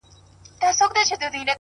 • شمعي ته څه مه وایه! ,